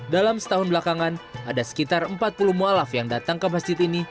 dalam setahun belakangan ada sekitar empat puluh mu'alaf yang datang ke masjid ini